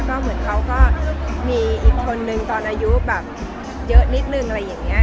เราก็มีอีกคนหนึ่งตอนอายุแบบเยอะนิดหนึ่งอะไรอย่างเงี้ย